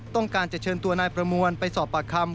ต้องการจะเชิญตัวนายประมวลไปสอบปากคำ